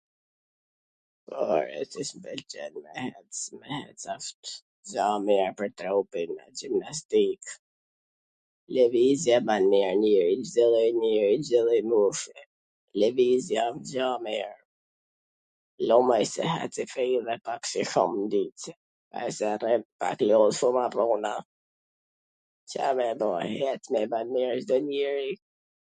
... gja e mir pwr trupin gjimnastika. Lwvizja ban mir, ... lum ai qw ec ... Ca me bo ... me ec i ban mir Cdo njeri